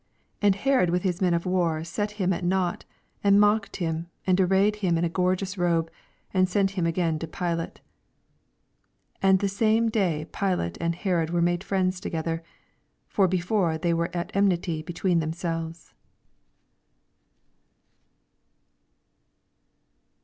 11 And Herod ^yith his men of war set him at nought, and mocked Aim, and arrayed him in a gorgeous robe, and sent him again to Pilate, 12 Aiid the same day Pilate end Herod were made friends toj^ether: for before they were at ennwty be tween themselves. 448 EXPOSITORY THOUGHTS.